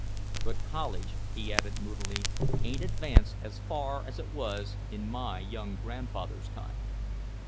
But college," he added moodily, "ain't advanced as far as it was in my young grandfather's time."